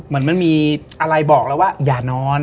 มันมีอะไรบอกแล้วว่าอย่านอน